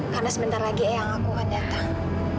karena sebentar lagi ayah aku akan datang